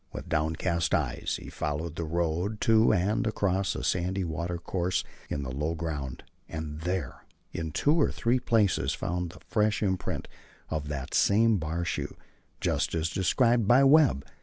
With downcast eyes he followed the road to and across a sandy watercourse in the low ground, and there, in two or three places found the fresh imprint of that same bar shoe, just as described by Webb.